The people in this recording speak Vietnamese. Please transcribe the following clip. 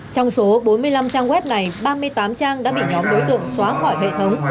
trong số bốn mươi năm trang web này ba mươi tám trang đã bị nhóm đối tượng xóa khỏi hệ thống